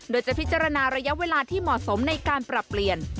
โดยจะพิจารณาระยะเวลาที่เหมาะสมในการปรับเปลี่ยน